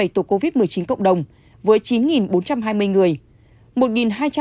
ba chín trăm hai mươi bảy tổ covid một mươi chín cộng đồng với chín bốn trăm hai mươi người